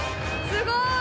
・すごい！